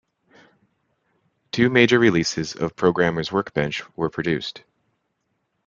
Two major releases of Programmer's Workbench were produced.